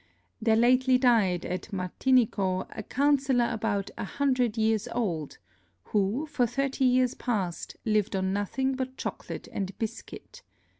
There lately died at Martinico a Counsellor about a hundred Years old, who, for thirty Years past, lived on nothing but Chocolate and Biscuit.